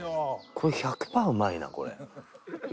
これ１００パーうまいなこれ。